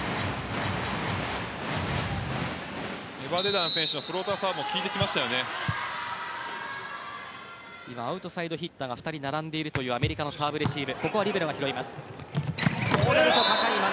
エバデダン選手のフローターサーブが今アウトサイドヒッターが２人並んでいるというアメリカのサーブレシーブ。